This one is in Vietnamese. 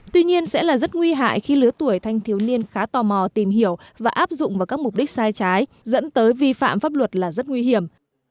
tuy nhiên sẽ là rất nguy hại khi lứa tuổi thanh thiếu niên khá tò mò tìm hiểu và áp dụng vào các mục đích sai trái dẫn tới vi phạm pháp luật là rất nguy hiểm